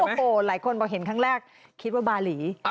โอ้โหหลายคนบอกเห็นครั้งแรกคิดว่าบาหลี